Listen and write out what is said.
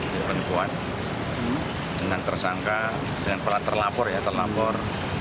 dengan tersangka dengan pelan terlapor ya terlapor